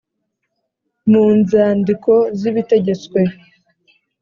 mu nzandiko z’ibitegetswe